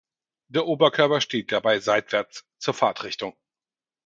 Der Oberkörper steht dabei seitwärts zur Fahrtrichtung.